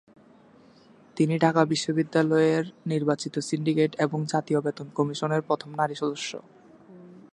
তিনি ঢাকা বিশ্ববিদ্যালয়ের নির্বাচিত সিন্ডিকেট এবং জাতীয় বেতন কমিশনের প্রথম নারী সদস্য।